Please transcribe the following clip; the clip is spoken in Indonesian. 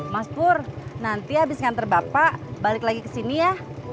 mas pur nanti habis ngantar bapak balik lagi kesini ya